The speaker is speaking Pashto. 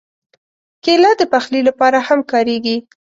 کېله د پخلي لپاره هم کارېږي.